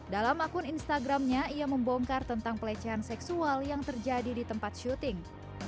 dalam akun instagramnya ia membongkar tentang pelecehan seksual yang terjadi di tempat syuting